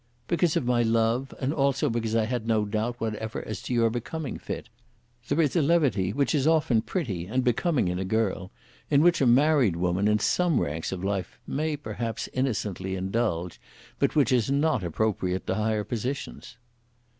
"Because of my love, and also because I had no doubt whatever as to your becoming fit. There is a levity which is often pretty and becoming in a girl, in which a married woman in some ranks of life may, perhaps, innocently indulge, but which is not appropriate to higher positions."